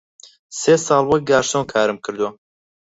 سێ ساڵ وەک گارسۆن کارم کردووە.